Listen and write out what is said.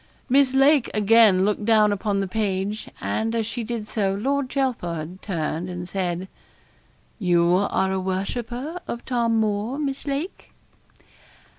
Miss Lake again looked down upon the page, and as she did so, Lord Chelford turned and said 'You are a worshipper of Tom Moore, Miss Lake?'